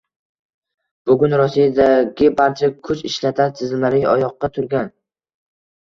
Bugun Rossiyadagi barcha kuch ishlatar tizimlari oyoqqa turgan.